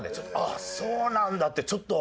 あっそうなんだってちょっと。